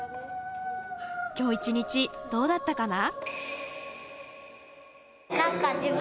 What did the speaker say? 今日一日どうだったかな？